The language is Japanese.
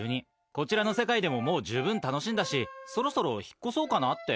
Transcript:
こちらの世界でも十分楽しんだし、そろそろ引っ越そうかなって。